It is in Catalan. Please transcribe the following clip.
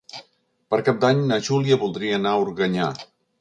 Per Cap d'Any na Júlia voldria anar a Organyà.